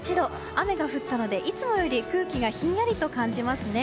雨が降ったのでいつもより空気がひんやりと感じますね。